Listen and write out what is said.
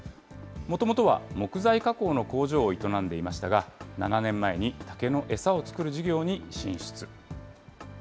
もともとは木材加工の工場を営んでいましたが、７年前に竹の餌を作る事業に進出。